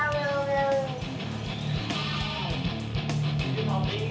ประกอบถึง